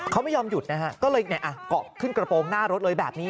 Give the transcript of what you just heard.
เขาไม่ยอมหยุดนะฮะก็เลยเกาะขึ้นกระโปรงหน้ารถเลยแบบนี้